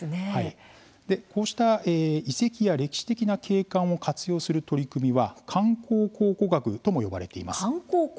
こうした遺跡や、歴史的な景観を活用する取り組みは観光考古学とも呼ばれています。